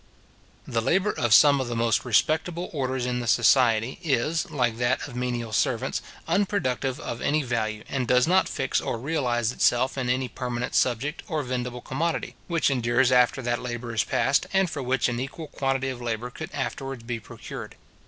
The labour of some of the most respectable orders in the society is, like that of menial servants, unproductive of any value, and does not fix or realize itself in any permanent subject, or vendible commodity, which endures after that labour is past, and for which an equal quantity of labour could afterwards be procured.